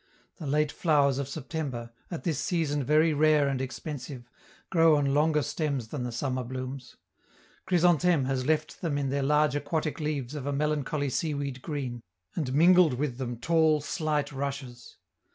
The late flowers of September, at this season very rare and expensive, grow on longer stems than the summer blooms; Chrysantheme has left them in their large aquatic leaves of a melancholy seaweed green, and mingled with them tall, slight rushes.